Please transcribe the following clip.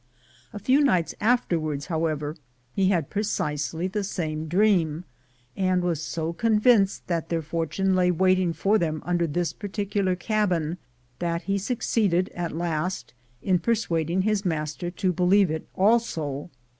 A few nights after wards, however, he had precisely the same dream, and was so convinced that their fortune lay waiting for them under this particular cabin, that he suc ceeded at last in persuading his master to believe it also.